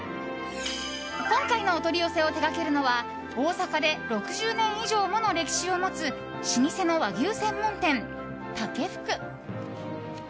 今回のお取り寄せを手掛けるのは大阪で６０年以上もの歴史を持つ老舗の和牛専門店、竹福。